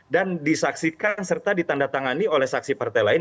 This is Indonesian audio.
dan disaksikan serta ditandatangani oleh saksi partai lain